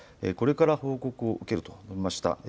これから報告を受けると述べました。